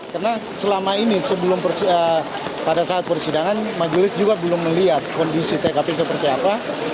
karena selama ini pada saat persidangan majelis juga belum melihat kondisi tkp seperti apa